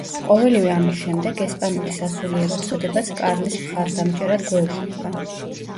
ყოველივე ამის შემდეგ ესპანური სასულიერო წოდებაც კარლის მხარდამჭერად გვევლინება.